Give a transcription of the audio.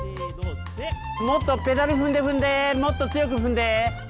もっとペダル踏んで踏んでもっと強く踏んで。